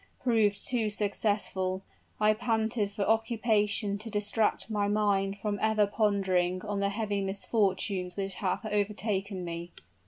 proved too successful, I panted for occupation to distract my mind from ever pondering on the heavy misfortunes which had overtaken me."